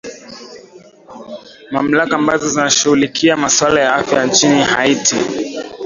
mamlaka ambazo zinashughulikia maswala ya afya nchini haiti